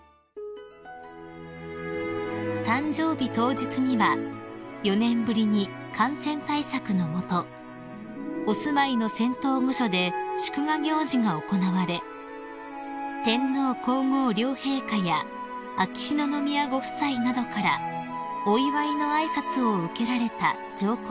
［誕生日当日には４年ぶりに感染対策の下お住まいの仙洞御所で祝賀行事が行われ天皇皇后両陛下や秋篠宮ご夫妻などからお祝いの挨拶を受けられた上皇后さま］